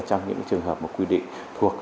trong những trường hợp mà quy định thuộc